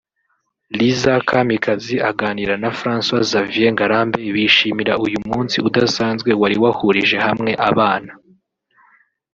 Liza Kamikazi aganira na Francois Xavier Ngarambe bishimira uyu munsi udasanzwe wari wahurije hamwe abana